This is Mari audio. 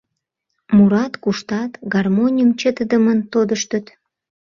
Мурат, куштат, гармоньым чытыдымын тодыштыт.